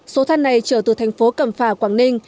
số than này chở từ thành phố cầm phà quảng ninh